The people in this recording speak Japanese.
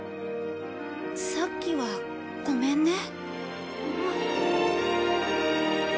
さっきはごめんね。